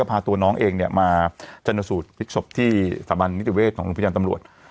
ก็พาตัวน้องเองเนี้ยมาจรรย์สูตรพลิกศพที่สถาบันนิติเวศของลูกพุทธยานตำรวจ